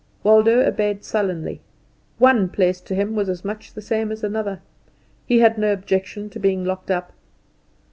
Waldo obeyed sullenly; one place to him was much the same as another. He had no objection to being locked up.